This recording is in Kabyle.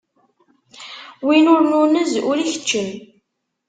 Win ur nunez, ur ikeččem.